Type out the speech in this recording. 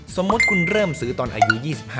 สมมุติคุณเริ่มซื้อตอนอายุ๒๕